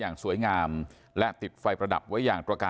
อย่างสวยงามและติดไฟประดับไว้อย่างตระกา